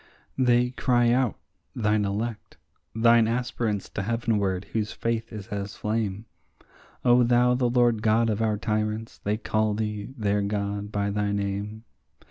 They cry out, thine elect, thine aspirants to heavenward, whose faith is as flame; O thou the Lord God of our tyrants, they call thee, their God, by thy name.